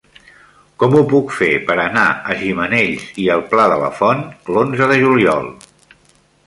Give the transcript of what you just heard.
Com ho puc fer per anar a Gimenells i el Pla de la Font l'onze de juliol?